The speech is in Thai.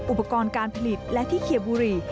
อุปกรณ์การผลิตและที่เขียบบุรี